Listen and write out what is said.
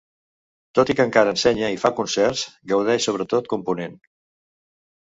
Tot i que encara ensenya i fa concerts, gaudeix sobretot component.